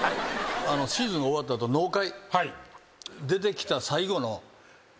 シーズン終わった後納会。